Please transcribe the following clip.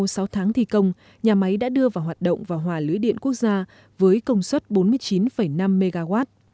sau sáu tháng thi công nhà máy đã đưa vào hoạt động và hòa lưới điện quốc gia với công suất bốn mươi chín năm mw